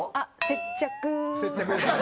接着。